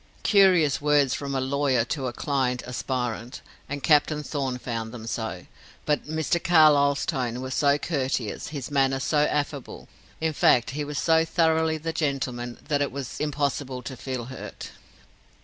Curious words from a lawyer to a client aspirant, and Captain Thorn found them so. But Mr. Carlyle's tone was so courteous, his manner so affable, in fact he was so thoroughly the gentleman, that it was impossible to feel hurt.